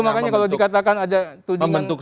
makanya kalau dikatakan ada tudingan